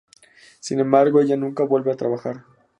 Sin embargo, ella nunca vuelve a trabajar.